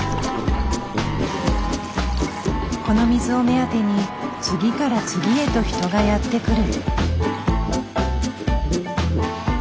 この水を目当てに次から次へと人がやって来る。